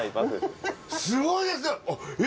すごいですねえ！